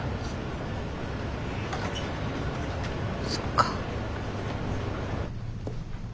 そっか。